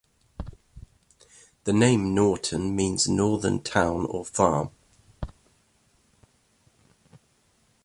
The name Norton means northern town or farm.